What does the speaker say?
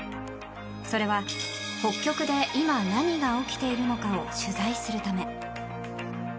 それは北極で今、何が起きているのかを取材するため。